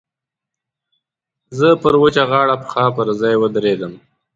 زه پر وچه غاړه پښه پر ځای ودرېدم.